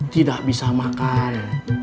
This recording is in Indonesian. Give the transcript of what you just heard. tidak bisa makan